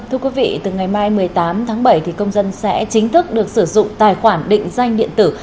thưa quý vị từ ngày mai một mươi tám tháng bảy công dân sẽ chính thức được sử dụng tài khoản định danh điện tử